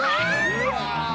うわ